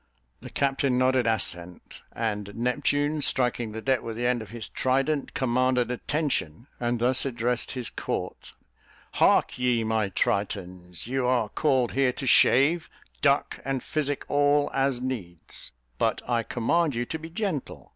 The captain nodded assent; and Neptune, striking the deck with the end of his trident, commanded attention, and thus addressed his court: "Heark ye, my Tritons, you are called here to shave, duck, and physic all as needs, but I command you to be gentle.